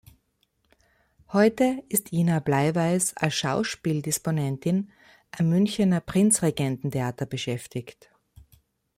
Heute ist Ina Bleiweiß als Schauspiel-Disponentin am Münchener Prinzregententheater beschäftigt.